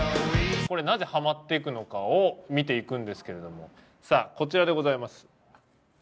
これなぜハマっていくのかを見ていくんですけれどもさあこちらでございます。